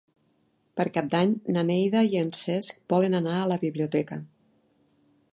Per Cap d'Any na Neida i en Cesc volen anar a la biblioteca.